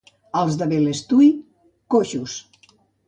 Els de Balestui, coixos.